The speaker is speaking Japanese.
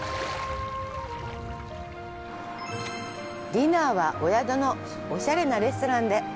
ディナーはお宿のおしゃれなレストランで。